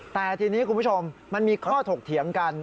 แต่ทีนี้คุณผู้ชมมันมีข้อถกเถียงกัน